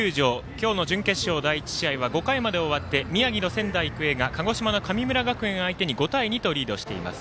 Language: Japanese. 今日の準決勝第１試合は５回まで終わって宮城の仙台育英が鹿児島の神村学園相手に５対２とリードしています。